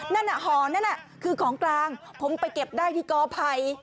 นั่นห่อนั่นคือของกลางผมไปเก็บได้ที่กอไผ่